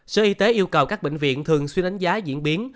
sở y tế yêu cầu các bệnh viện thường xuyên đánh giá diễn biến